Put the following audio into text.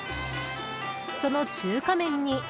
その中華麺に。